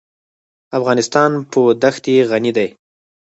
افغانستان په دښتې غني دی.